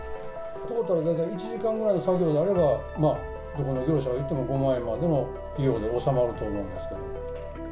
トータルで１時間ぐらいの作業であれば、まあ、どこの業者が行っても５万円までの費用で収まると思うんですけど。